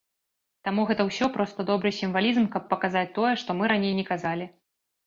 Таму гэта ўсё проста добры сімвалізм, каб паказаць тое, што мы раней не казалі.